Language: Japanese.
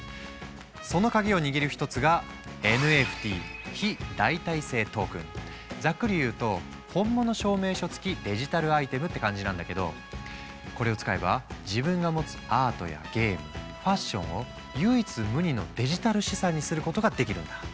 その鍵を握る一つがざっくり言うと本物証明書付きデジタルアイテムって感じなんだけどこれを使えば自分が持つアートやゲームファッションを唯一無二のデジタル資産にすることができるんだ。